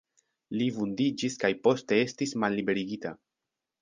Li vundiĝis kaj poste estis malliberigita.